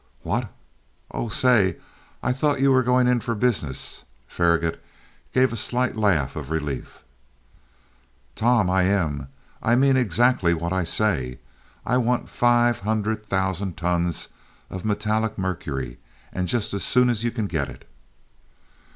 "What! Oh, say, I thought you were going in for business." Faragaut gave a slight laugh of relief. "Tom, I am. I mean exactly what I say. I want five hundred thousand tons of metallic mercury, and just as soon as you can get it."